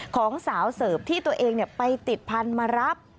ของสาวเสิร์ฟที่ตัวเองไปติดพันธุ์มารับ